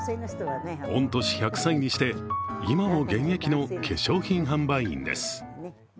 御年１００歳にして今も現役の化粧品販売員です。